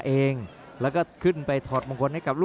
อื้อหือจังหวะขวางแล้วพยายามจะเล่นงานด้วยซอกแต่วงใน